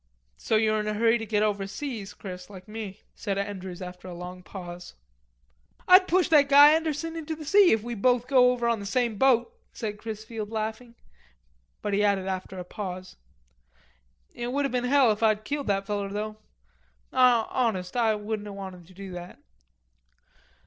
"So you're in a hurry to get overseas, Chris, like me," said Andrews after a long pause. "Ah'll push that guy Anderson into the sea, if we both go over on the same boat," said Chrisfield laughing; but he added after a pause: "It would have been hell if Ah'd killed that feller, though. Honest Ah wouldn't a wanted to do that."